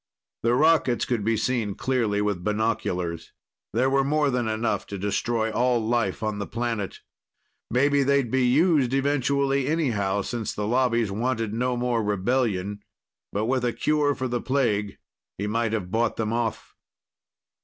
The rockets could be seen clearly with binoculars. There were more than enough to destroy all life on the planet. Maybe they'd be used eventually, anyhow, since the Lobbies wanted no more rebellion. But with a cure for the plague, he might have bought them off.